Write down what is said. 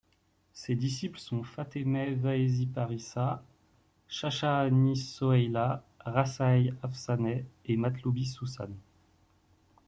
Ses disciples sont Fatemeh Vaezi Parissa, Shahshahani Soheila, Rasaei Afsaneh et Matloubi Sousan.